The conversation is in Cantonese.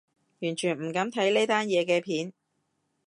完全唔敢睇呢單嘢嘅片